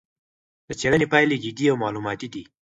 د څېړنې پایلې جدي او معلوماتي دي.